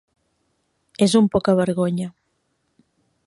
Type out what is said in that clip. És un pocavergonya.